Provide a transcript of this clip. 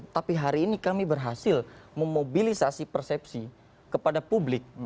tapi hari ini kami berhasil memobilisasi persepsi kepada publik